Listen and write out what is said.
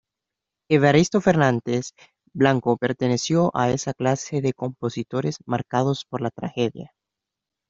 Evaristo Fernández Blanco perteneció a esa clase de compositores marcados por la tragedia.